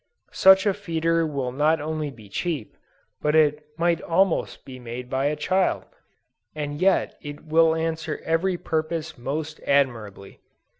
Such a feeder will not only be cheap, but it might almost be made by a child, and yet it will answer every purpose most admirably.